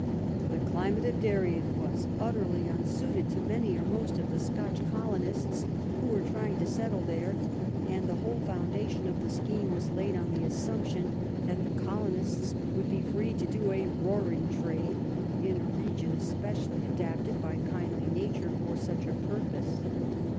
The climate of Darien was utterly unsuited to many or most of the Scotch colonists who were trying to settle there, and the whole foundation of the scheme was laid on the assumption that the colonists would be free to do a roaring trade in a region especially adapted by kindly nature for such a purpose.